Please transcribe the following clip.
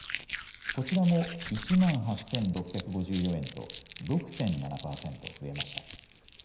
こちらも１万８６５４円と６．７％増えました。